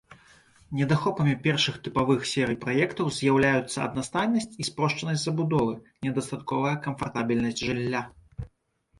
Недахопамі першых тыпавых серый праектаў з'яўляюцца аднастайнасць і спрошчанасць забудовы, недастатковая камфартабельнасць жылля.